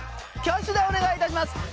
挙手でお願いいたします